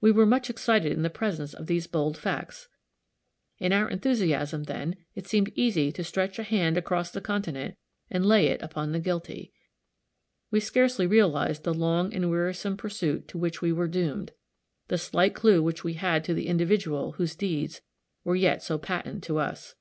We were much excited in the presence of these bold facts. In our enthusiasm, then, it seemed easy to stretch a hand across the continent and lay it upon the guilty. We scarcely realized the long and wearisome pursuit to which we were doomed the slight clue which we had to the individual whose deeds were yet so patent to us.